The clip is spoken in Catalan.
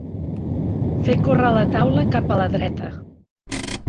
Fer córrer la taula cap a la dreta.